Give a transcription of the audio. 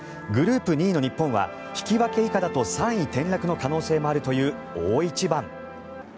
グループ２位の日本は引き分け以下だと３位転落の可能性もあるという大一番。